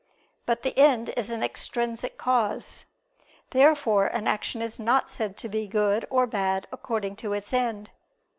But the end is an extrinsic cause. Therefore an action is not said to be good or bad according to its end.